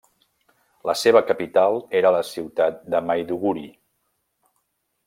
La seva capital era la ciutat de Maiduguri.